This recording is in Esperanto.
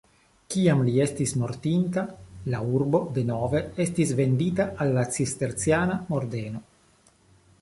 Kiam li estis mortinta, la urbo denove estis vendita al cisterciana ordeno.